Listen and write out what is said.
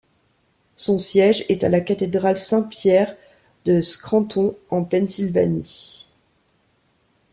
Son siège est à la cathédrale Saint-Pierre de Scranton en Pennsylvanie.